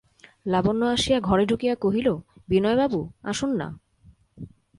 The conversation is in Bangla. লাবণ্য আসিয়া ঘরে ঢুকিয়া কহিল, বিনয়বাবু আসুন-না।